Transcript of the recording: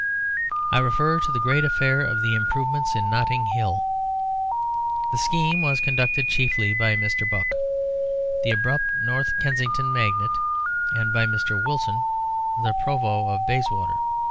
I refer to the great affair of the improvements in Notting Hill. The scheme was conducted chiefly by Mr. Buck, the abrupt North Kensington magnate, and by Mr. Wilson, the Provost of Bayswater.